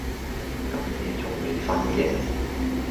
咁夜仲未訓嘅？